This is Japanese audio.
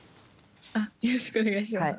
よろしくお願いします。